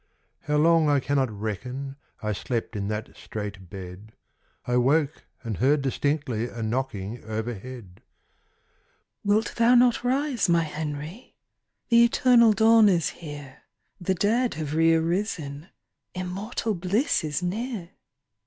How long I cannot reckon, I slept in that strait bed; I woke and heard distinctly A knocking overhead. "Wilt thou not rise, my Henry? The eternal dawn is here; The dead have re arisen, Immortal bliss is near."